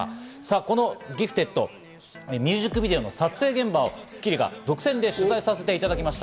この『Ｇｉｆｔｅｄ．』、ミュージックビデオの撮影現場を『スッキリ』が独占で取材させていただきました。